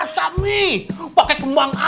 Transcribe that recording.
mami mikir jauh dong